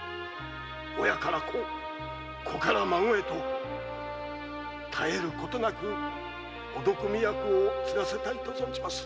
親から子子から孫へと絶える事なくお毒味役を継がせたいと存じます。